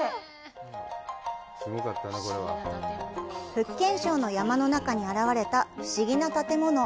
福建省の山の中に現れた不思議な建物。